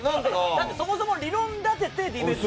だってそもそも理論立ててディベート。